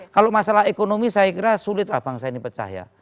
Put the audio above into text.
kalau masalah ekonomi saya kira sulitlah bangsa ini pecah ya